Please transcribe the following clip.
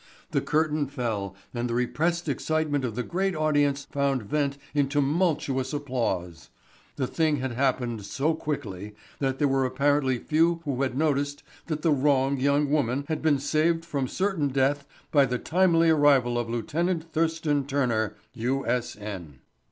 The curtain fell and the repressed excitement of the great audience found vent in tumultuous applause. The thing had happened so quickly that there were apparently few who had noticed that the wrong young woman had been saved from certain death by the timely arrival of Lieut. Thurston Turner, U.S.N.